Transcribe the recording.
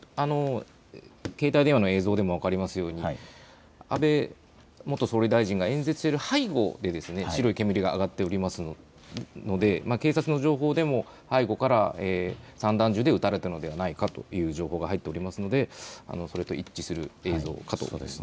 携帯電話の映像でも分かりますように安倍元総理大臣が演説している背後で白い煙が上がっていますので警察の情報でも背後から散弾銃で撃たれたのではないかという情報が入っておりますので、それと一致する映像かと思います。